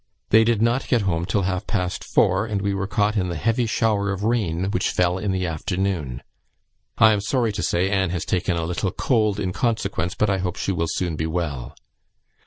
They did not get home till half past four, and were caught in the heavy shower of rain which fell in the afternoon. I am sorry to say Anne has taken a little cold in consequence, but I hope she will soon be well.